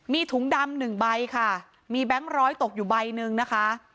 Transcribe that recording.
มีถุงดำหนึ่งใบค่ะมีแบงค์ร้อยตกอยู่ใบหนึ่งนะคะ